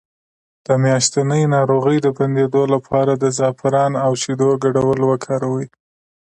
د میاشتنۍ ناروغۍ د بندیدو لپاره د زعفران او شیدو ګډول وکاروئ